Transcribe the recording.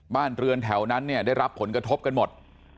บ้านเรือนแถวนั้นเนี่ยได้รับผลกระทบกันหมด